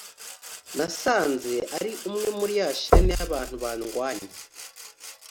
nasanze ari umwe muri ya shene y’abantu bandwanya